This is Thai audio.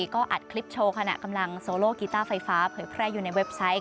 ก็อัดคลิปโชว์ขณะกำลังโซโลกีต้าไฟฟ้าเผยแพร่อยู่ในเว็บไซต์